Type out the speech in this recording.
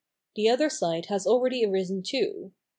The other side has already arisen too.